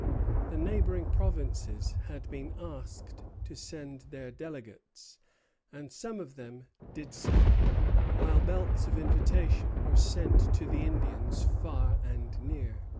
The neighboring provinces had been asked to send their delegates, and some of them did so; while belts of invitation were sent to the Indians far and near.